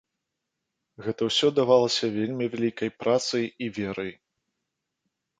Гэта ўсё давалася вельмі вялікай працай і верай.